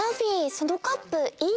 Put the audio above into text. そのカップいいね！